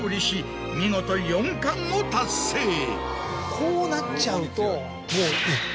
こうなっちゃうと。